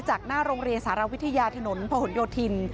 จากหน้าโรงเรียนสารวิทยาถนนพะหนโยธิน